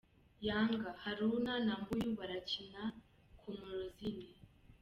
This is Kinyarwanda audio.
Yanga : Haruna na Mbuyu barakira Komorozine.